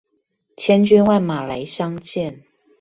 千軍萬馬來相見